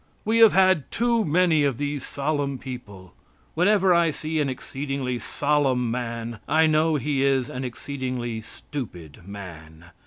We have had too many of these solemn people. Whenever I see an exceedingly solemn man, I know he is an exceedingly stupid man.